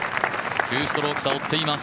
２ストローク差を追っています